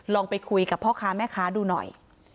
ลองไปคุยกับพ่อค้าแม่ค้าดูหน่อย